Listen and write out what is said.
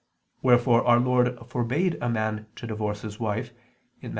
Wherefore Our Lord forbade a man to divorce his wife (Matt.